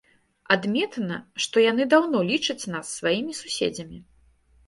Адметна, што яны даўно лічаць нас сваімі суседзямі.